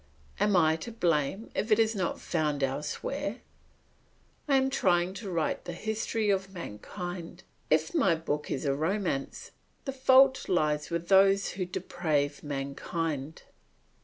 Am I to blame if it is not found elsewhere? I am trying to write the history of mankind. If my book is a romance, the fault lies with those who deprave mankind.